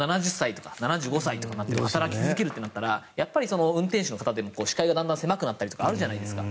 ７０歳、７５歳になっても働き続けるってなったら運転手の方でも視界がだんだん狭くなったりとかあるじゃないですか。